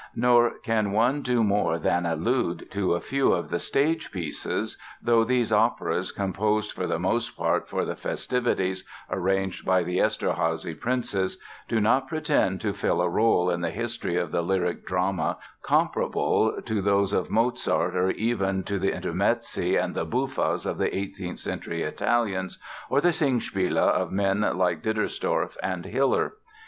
Nor can one do more than allude to a few of the stage pieces though these operas, composed for the most part for the festivities arranged by the Eszterházy princes, do not pretend to fill a role in the history of the lyric drama comparable to those of Mozart or even to the intermezzi and the buffas of the 18th Century Italians or the Singspiele of men like Dittorsdorf and Hiller.